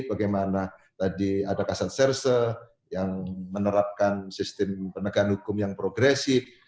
bagaimana tadi ada kasat serse yang menerapkan sistem penegakan hukum yang progresif